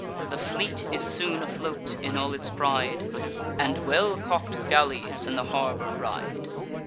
The fleet is soon afloat, in all its pride, And well calk'd galleys in the harbour ride.